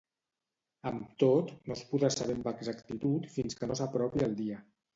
Amb tot, no es podrà saber amb exactitud fins que no s'apropi el dia.